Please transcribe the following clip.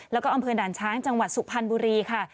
แล้วก็อำเภอด่านช้างจังหวัดสุพรรณบุรีค่ะ